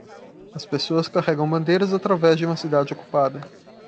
As pessoas carregam bandeiras através de uma cidade ocupada